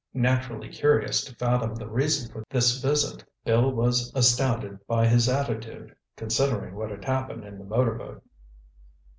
Naturally curious to fathom the reason for this visit, Bill was astounded by his attitude, considering what had happened in the motorboat.